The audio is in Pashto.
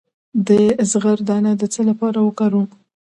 د زغر دانه د څه لپاره وکاروم؟